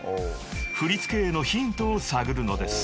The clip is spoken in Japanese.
［振り付けへのヒントを探るのです］